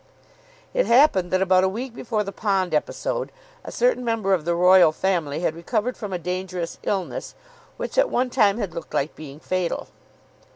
It happened that, about a week before the pond episode, a certain member of the Royal Family had recovered from a dangerous illness, which at one time had looked like being fatal.